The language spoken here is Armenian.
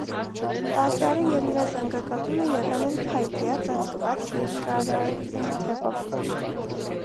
Տաճարը և նրա զանգակատունը եղել են փայտյա՝ ծածկված երկաթաթիթեղով։